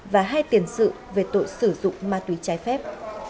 và hai tiền sự về tội sử dụng ma túy trái phép